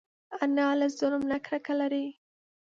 انا له ظلم نه کرکه لري